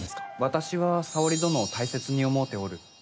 私は沙織殿を大切に思うておる。